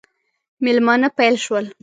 مېلمانه پیل شول.